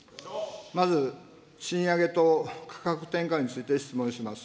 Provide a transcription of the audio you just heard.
まず賃上げと価格転嫁について質問します。